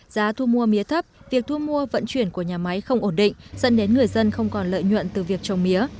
giá thu mua mía thấp việc thu mua vận chuyển của nhà máy không ổn định dẫn đến người dân không còn lợi nhuận từ việc trồng mía